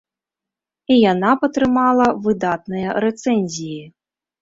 І яна б атрымала выдатныя рэцэнзіі.